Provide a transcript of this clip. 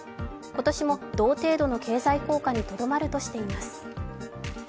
今年も同程度の経済効果にとどまるとしています。